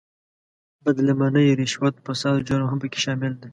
بد لمنۍ، رشوت، فساد او جرم هم په کې شامل دي.